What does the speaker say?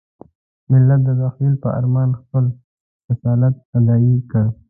ملت د تحول په ارمان خپل رسالت اداء کړ.